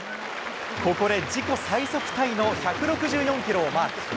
ここで自己最速タイの１６４キロをマーク。